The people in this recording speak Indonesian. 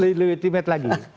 lebih legitimate lagi